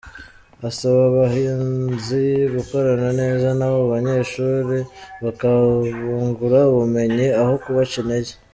Asaba abahinzi gukorana neza n’abo banyeshuri bakabungura ubumenyi aho kubaca intege.